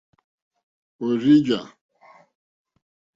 Òrzì jǎ.